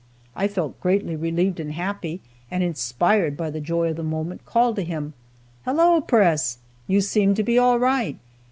I felt greatly relieved and happy, and, inspired by the joy of the moment, called to him: "Hello, Press! You seem to be all right!"